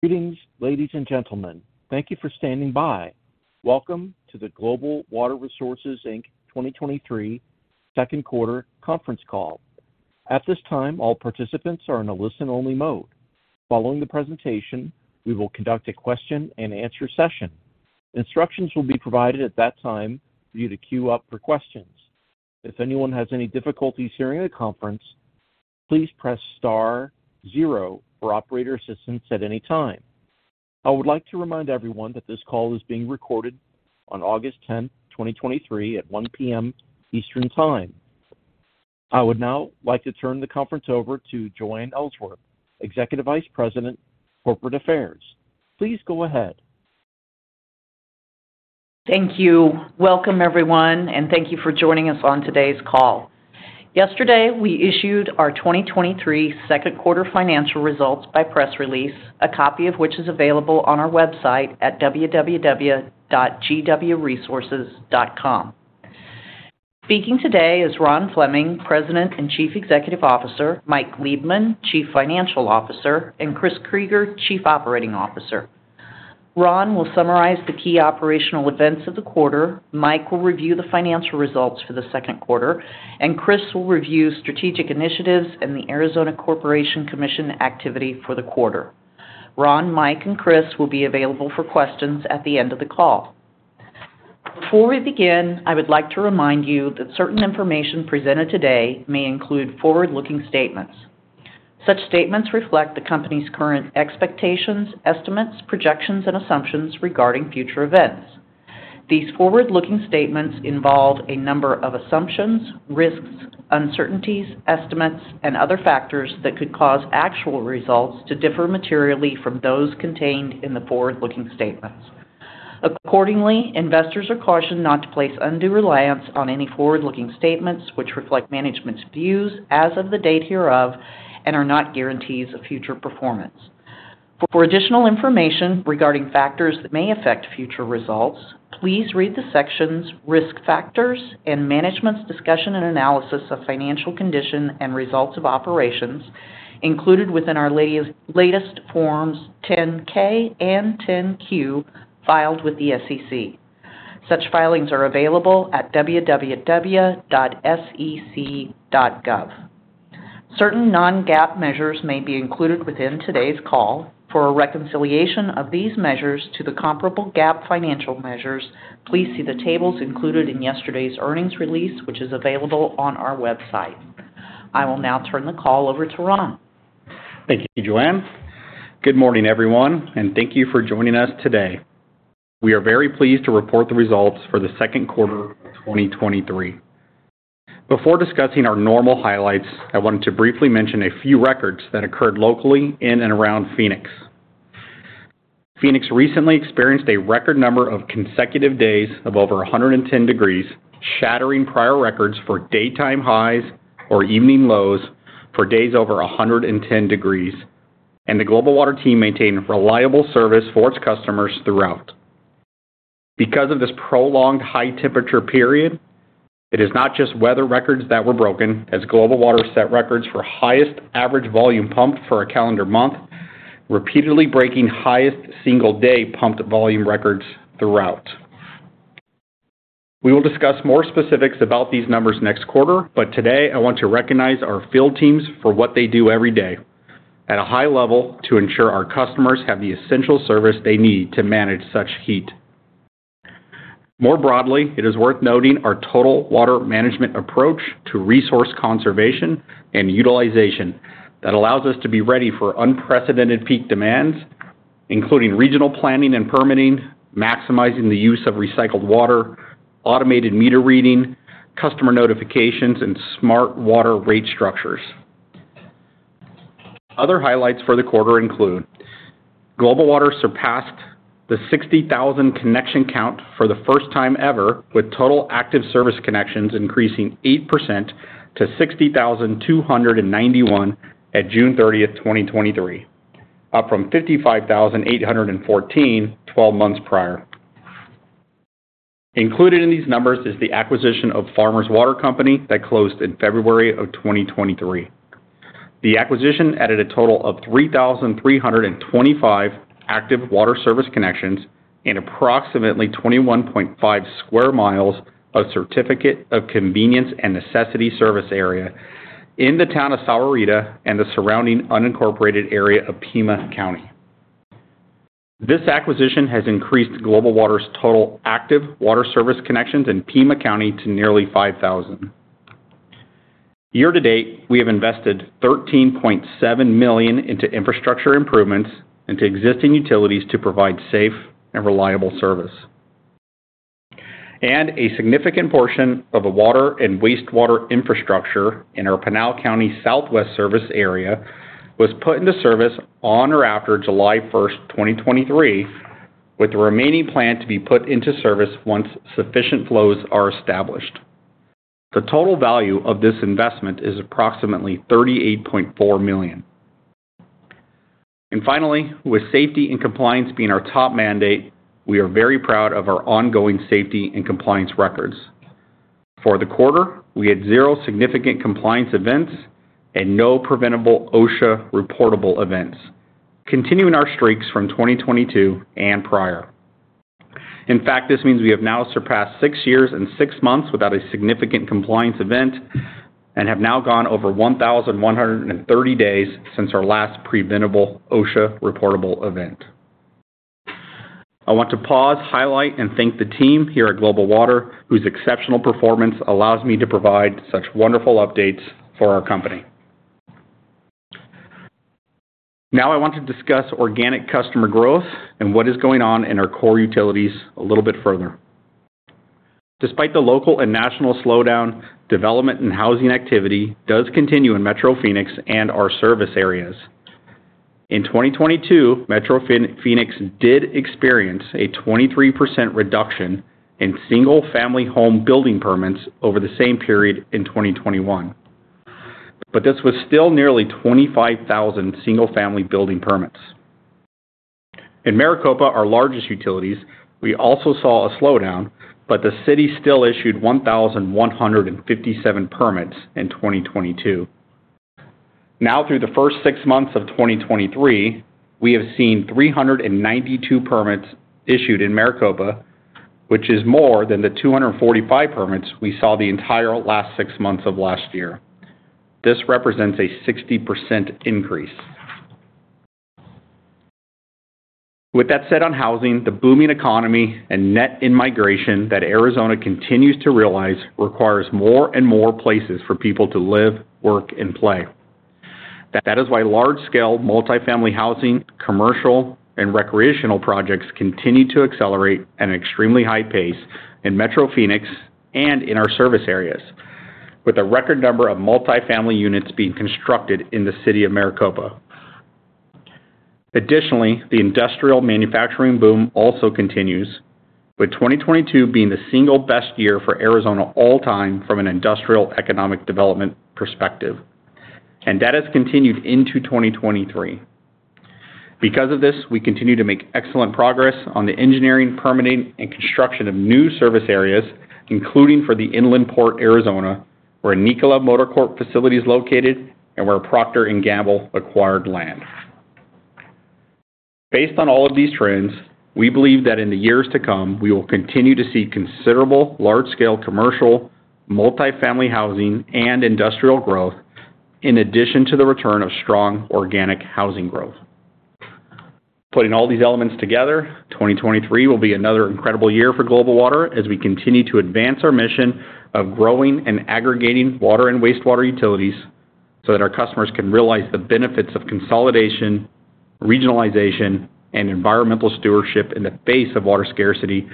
Greetings, ladies and gentlemen. Thank you for standing by. Welcome to the Global Water Resources, Inc. 2023 Second Quarter Conference Call. At this time, all participants are in a listen-only mode. Following the presentation, we will conduct a question-and-answer session. Instructions will be provided at that time for you to queue up for questions. If anyone has any difficulties hearing the conference, please press star zero for operator assistance at any time. I would like to remind everyone that this call is being recorded on August 10, 2023 at 1:00 P.M. Eastern Time. I would now like to turn the conference over to Joanne Ellsworth, Executive Vice President, Corporate Affairs. Please go ahead. Thank you. Welcome, everyone, and thank you for joining us on today's call. Yesterday, we issued our 2023 second quarter financial results by press release, a copy of which is available on our website at www.gwresources.com. Speaking today is Ron Fleming, President and Chief Executive Officer, Mike Liebman, Chief Financial Officer, and Chris Krygier, Chief Operating Officer. Ron will summarize the key operational events of the quarter, Mike will review the financial results for the second quarter, and Chris will review strategic initiatives and the Arizona Corporation Commission activity for the quarter. Ron, Mike, and Chris will be available for questions at the end of the call. Before we begin, I would like to remind you that certain information presented today may include forward-looking statements. Such statements reflect the company's current expectations, estimates, projections, and assumptions regarding future events. These forward-looking statements involve a number of assumptions, risks, uncertainties, estimates, and other factors that could cause actual results to differ materially from those contained in the forward-looking statements. Accordingly, investors are cautioned not to place undue reliance on any forward-looking statements which reflect management's views as of the date hereof and are not guarantees of future performance. For additional information regarding factors that may affect future results, please read the sections Risk Factors and Management's Discussion and Analysis of Financial Condition and Results of Operations included within our latest Forms Form 10-K and Form 10-Q filed with the SEC. Such filings are available at www.sec.gov. Certain non-GAAP measures may be included within today's call. For a reconciliation of these measures to the comparable GAAP financial measures, please see the tables included in yesterday's earnings release, which is available on our website. I will now turn the call over to Ron. Thank you, Joanne. Good morning, everyone, and thank you for joining us today. We are very pleased to report the results for the second quarter of 2023. Before discussing our normal highlights, I wanted to briefly mention a few records that occurred locally in and around Phoenix. Phoenix recently experienced a record number of consecutive days of over 110 degrees, shattering prior records for daytime highs or evening lows for days over 110 degrees, and the Global Water team maintained reliable service for its customers throughout. Because of this prolonged high temperature period, it is not just weather records that were broken, as Global Water set records for highest average volume pumped for a calendar month, repeatedly breaking highest single-day pumped volume records throughout. We will discuss more specifics about these numbers next quarter, but today I want to recognize our field teams for what they do every day at a high level to ensure our customers have the essential service they need to manage such heat. More broadly, it is worth noting our Total Water Management approach to resource conservation and utilization that allows us to be ready for unprecedented peak demands, including regional planning and permitting, maximizing the use of recycled water, Automated Meter Reading, customer notifications, and smart water rate structures. Other highlights for the quarter include Global Water surpassed the 60,000 connection count for the first time ever, with total active service connections increasing 8% to 60,291 at June 30th, 2023, up from 55,814 12 months prior. Included in these numbers is the acquisition of Farmers Water Co. that closed in February of 2023. The acquisition added a total of 3,325 active water service connections and approximately 21.5 sq mi of Certificate of Convenience and Necessity service area in the town of Sahuarita and the surrounding unincorporated area of Pima County. This acquisition has increased Global Water's total active water service connections in Pima County to nearly 5,000. Year to date, we have invested $13.7 million into infrastructure improvements into existing utilities to provide safe and reliable service. A significant portion of the water and wastewater infrastructure in our Pinal County Southwest service area was put into service on or after July 1, 2023, with the remaining plan to be put into service once sufficient flows are established. The total value of this investment is approximately $38.4 million. Finally, with safety and compliance being our top mandate, we are very proud of our ongoing safety and compliance records. For the quarter, we had zero significant compliance events and 0 preventable OSHA reportable events, continuing our streaks from 2022 and prior. In fact, this means we have now surpassed six years and six months without a significant compliance event and have now gone over 1,130 days since our last preventable OSHA-reportable event. I want to pause, highlight, and thank the team here at Global Water, whose exceptional performance allows me to provide such wonderful updates for our company. Now I want to discuss organic customer growth and what is going on in our core utilities a little bit further. Despite the local and national slowdown, development and housing activity does continue in Metro Phoenix and our service areas. In 2022, Metro Phoenix did experience a 23% reduction in single-family home building permits over the same period in 2021. This was still nearly 25,000 single-family building permits. In Maricopa, our largest utilities, we also saw a slowdown. The city still issued 1,157 permits in 2022. Now, through the first six months of 2023, we have seen 392 permits issued in Maricopa, which is more than the 245 permits we saw the entire last six months of last year. This represents a 60% increase. With that said, on housing, the booming economy and net in-migration that Arizona continues to realize requires more and more places for people to live, work, and play. That is why large-scale multifamily housing, commercial and recreational projects continue to accelerate at an extremely high pace in Metro Phoenix and in our service areas, with a record number of multifamily units being constructed in the city of Maricopa. Additionally, the industrial manufacturing boom also continues, with 2022 being the single best year for Arizona all time from an industrial economic development perspective, and that has continued into 2023. Because of this, we continue to make excellent progress on the engineering, permitting and construction of new service areas, including for the Inland Port, Arizona, where Nikola Motor Corp facility is located and where Procter & Gamble acquired land. Based on all of these trends, we believe that in the years to come, we will continue to see considerable large-scale commercial, multifamily housing and industrial growth, in addition to the return of strong organic housing growth. Putting all these elements together, 2023 will be another incredible year for Global Water as we continue to advance our mission of growing and aggregating water and wastewater utilities, so that our customers can realize the benefits of consolidation, regionalization, and environmental stewardship in the face of water scarcity,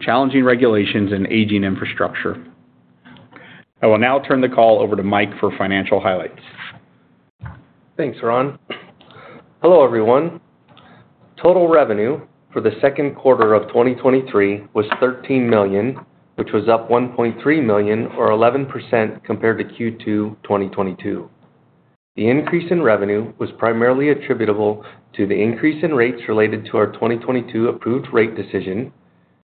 challenging regulations, and aging infrastructure. I will now turn the call over to Mike for financial highlights. Thanks, Ron. Hello, everyone. Total revenue for the second quarter of 2023 was $13 million, which was up $1.3 million, or 11% compared to Q2 2022. The increase in revenue was primarily attributable to the increase in rates related to our 2022 approved rate decision,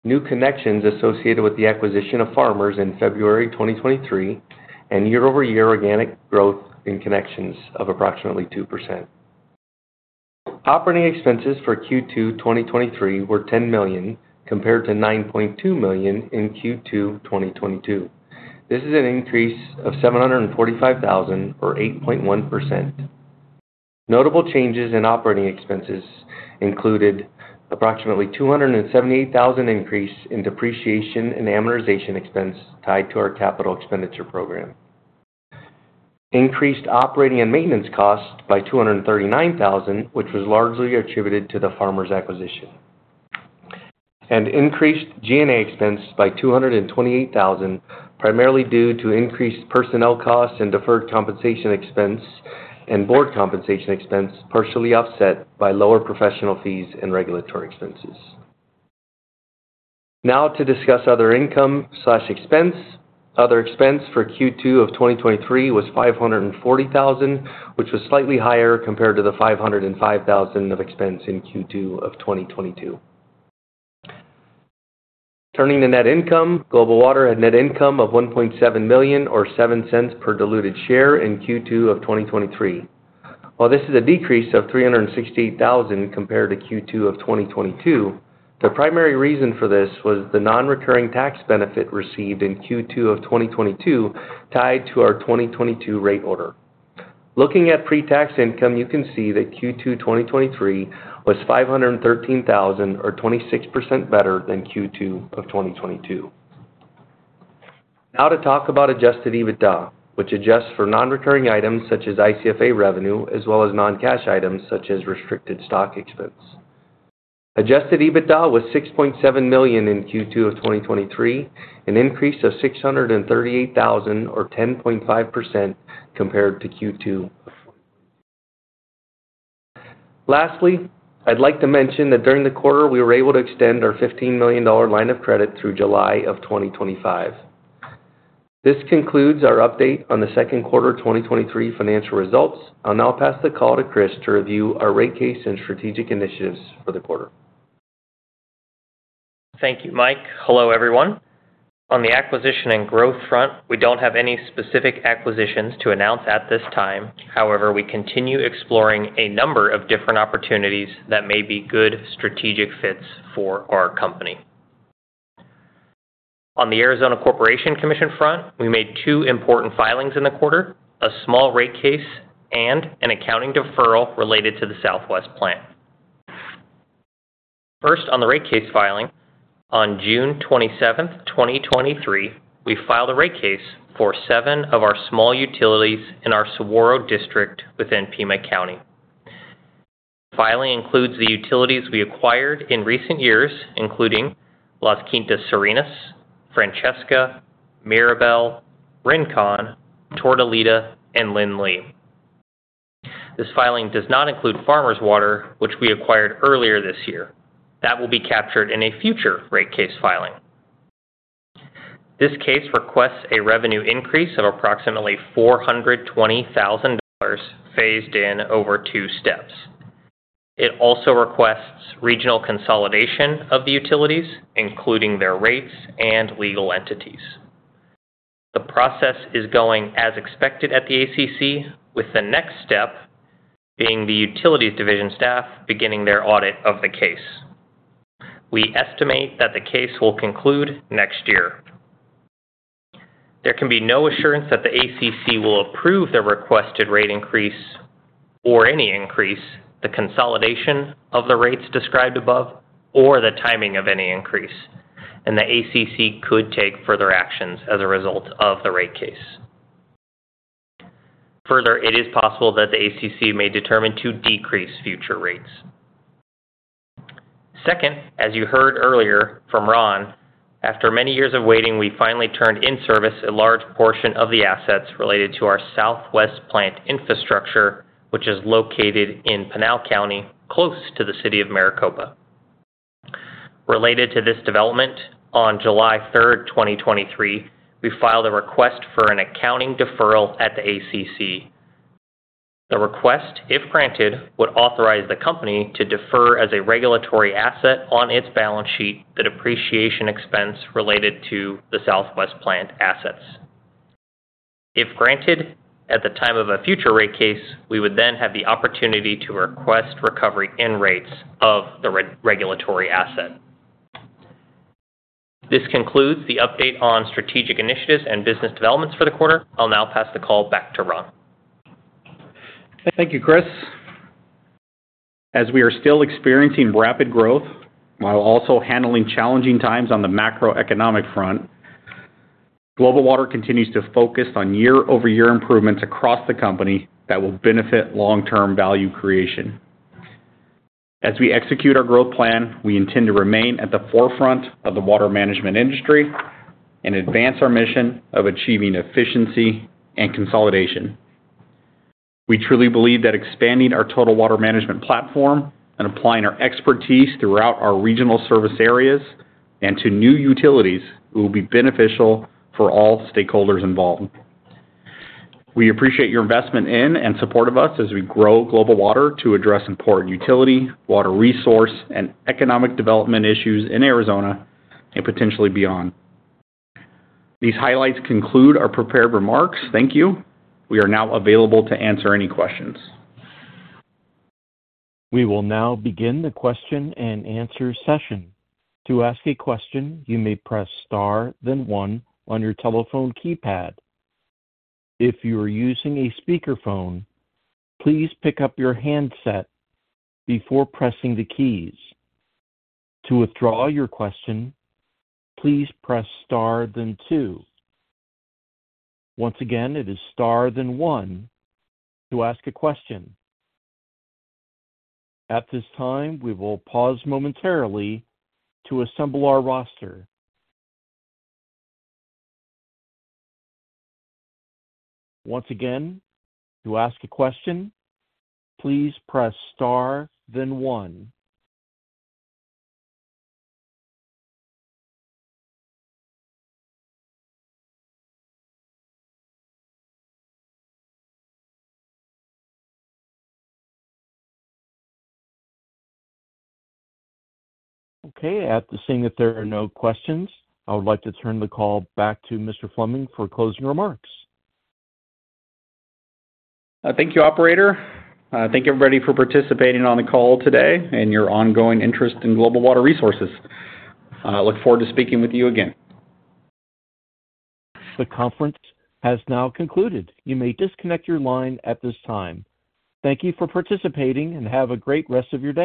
new connections associated with the acquisition of Farmers Water Co. in February 2023, and year-over-year organic growth in connections of approximately 2%. Operating expenses for Q2 2023 were $10 million, compared to $9.2 million in Q2 2022. This is an increase of $745,000, or 8.1%. Notable changes in operating expenses included approximately $278,000 increase in depreciation and amortization expense tied to our capital expenditure program. Increased operating and maintenance costs by $239,000, which was largely attributed to the Farmers Water Co. acquisition. Increased G&A expense by $228,000, primarily due to increased personnel costs and deferred compensation expense and board compensation expense, partially offset by lower professional fees and regulatory expenses. Now to discuss other income/expense. Other expense for Q2 of 2023 was $540,000, which was slightly higher compared to the $505,000 of expense in Q2 of 2022. Turning to net income. Global Water had net income of $1.7 million, or $0.07 per diluted share in Q2 of 2023. While this is a decrease of $368,000 compared to Q2 of 2022, the primary reason for this was the non-recurring tax benefit received in Q2 of 2022, tied to our 2022 rate order. Looking at pre-tax income, you can see that Q2 2023 was $513,000, or 26% better than Q2 of 2022. To talk about adjusted EBITDA, which adjusts for non-recurring items such as ICFA revenue, as well as non-cash items such as restricted stock expense. Adjusted EBITDA was $6.7 million in Q2 of 2023, an increase of $638,000, or 10.5% compared to Q2. Lastly, I'd like to mention that during the quarter, we were able to extend our $15 million line of credit through July of 2025. This concludes our update on the second quarter of 2023 financial results. I'll now pass the call to Chris to review our rate case and strategic initiatives for the quarter. Thank you, Mike. Hello, everyone. On the acquisition and growth front, we don't have any specific acquisitions to announce at this time. However, we continue exploring a number of different opportunities that may be good strategic fits for our company. On the Arizona Corporation Commission front, we made two important filings in the quarter: a small rate case and an accounting deferral related to the Southwest Plant. First, on the rate case filing, on June 27, 2023, we filed a rate case for seven of our small utilities in our Saguaro District within Pima County. Filing includes the utilities we acquired in recent years, including Las Quintas Serenas, Francesca, Mirabel, Rincon, Tortolita, and Linley. This filing does not include Farmers Water, which we acquired earlier this year. That will be captured in a future rate case filing. This case requests a revenue increase of approximately $420,000, phased in over two steps. It also requests regional consolidation of the utilities, including their rates and legal entities. The process is going as expected at the ACC, with the next step being the utilities division staff beginning their audit of the case. We estimate that the case will conclude next year. There can be no assurance that the ACC will approve the requested rate increase or any increase, the consolidation of the rates described above, or the timing of any increase, and the ACC could take further actions as a result of the rate case. Further, it is possible that the ACC may determine to decrease future rates. Second, as you heard earlier from Ron, after many years of waiting, we finally turned in-service a large portion of the assets related to our Southwest Plant infrastructure, which is located in Pinal County, close to the city of Maricopa. Related to this development, on July 3, 2023, we filed a request for an accounting deferral at the ACC. The request, if granted, would authorize the company to defer as a regulatory asset on its balance sheet, the depreciation expense related to the Southwest Plant assets. If granted, at the time of a future rate case, we would then have the opportunity to request recovery in rates of the regulatory asset. This concludes the update on strategic initiatives and business developments for the quarter. I'll now pass the call back to Ron. Thank you, Chris. As we are still experiencing rapid growth while also handling challenging times on the macroeconomic front, Global Water continues to focus on year-over-year improvements across the company that will benefit long-term value creation. As we execute our growth plan, we intend to remain at the forefront of the water management industry and advance our mission of achieving efficiency and consolidation. We truly believe that expanding our Total Water Management platform and applying our expertise throughout our regional service areas and to new utilities will be beneficial for all stakeholders involved. We appreciate your investment in and support of us as we grow Global Water to address important utility, water resource, and economic development issues in Arizona and potentially beyond. These highlights conclude our prepared remarks. Thank you. We are now available to answer any questions. We will now begin the question and answer session. To ask a question, you may press star then one on your telephone keypad. If you are using a speakerphone, please pick up your handset before pressing the keys. To withdraw your question, please press star then two. Once again, it is star then one to ask a question. At this time, we will pause momentarily to assemble our roster. Once again, to ask a question, please press star then one. Okay, after seeing that there are no questions, I would like to turn the call back to Mr. Fleming for closing remarks. Thank you, operator. Thank you, everybody, for participating on the call today and your ongoing interest in Global Water Resources. Look forward to speaking with you again. The conference has now concluded. You may disconnect your line at this time. Thank you for participating, and have a great rest of your day.